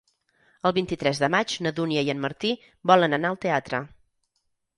El vint-i-tres de maig na Dúnia i en Martí volen anar al teatre.